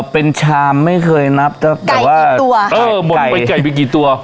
เป็นชามไม่เคยนับแต่ว่าเออหมดไปไก่ไปกี่ตัว